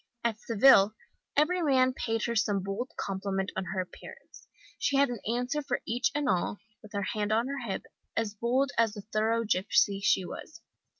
At Seville every man paid her some bold compliment on her appearance. She had an answer for each and all, with her hand on her hip, as bold as the thorough gipsy she was.